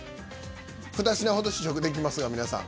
２品ほど試食できますが皆さん。